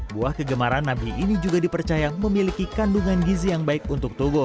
buah kegemaran nabi ini juga dipercaya memiliki kandungan gizi yang baik untuk tubuh